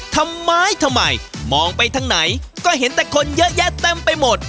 ทำไมทำไมมองไปทางไหนก็เห็นแต่คนเยอะแยะเต็มไปหมด